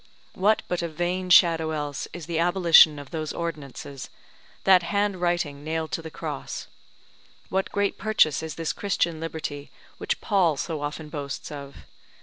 What but a vain shadow else is the abolition of those ordinances, that hand writing nailed to the cross? What great purchase is this Christian liberty which Paul so often boasts of?